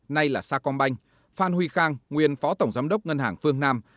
nay là sa con banh phan huy khang nguyên phó tổng giám đốc ngân hàng phương nam